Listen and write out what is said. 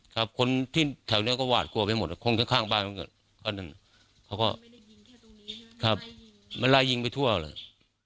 ครับคนที่แถวนี้ก็หวาดกลัวไปหมดคนข้างบ้านเขาก็มันลายยิงไปทั่วเลย